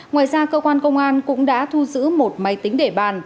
ngoài ra cơ quan công an cũng đã thu giữ một máy tính để bàn